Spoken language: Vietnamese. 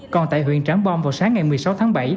còn tại huyện trảng bom vào sáng ngày một mươi sáu tháng bảy